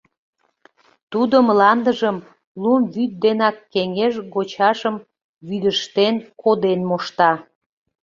Тудо мландыжым лум вӱд денак кеҥеж гочашым вӱдыжтен коден мошта.